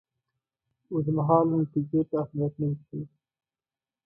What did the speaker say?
اوږدمهالو نتیجو ته اهمیت نه ورکوي.